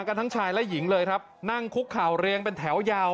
ทั้งชายและหญิงเลยครับนั่งคุกข่าวเรียงเป็นแถวยาว